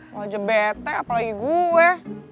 lo aja bete apalagi gue